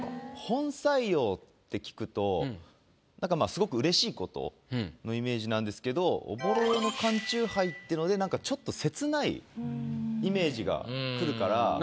「本採用」って聞くと何かまぁ。のイメージなんですけど「朧夜の缶チューハイ」っていうので何かちょっと切ないイメージがくるから。